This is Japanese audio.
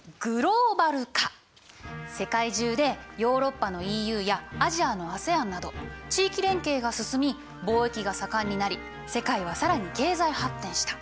世界中でヨーロッパのＥＵやアジアのＡＳＥＡＮなど地域連携が進み貿易が盛んになり世界は更に経済発展した。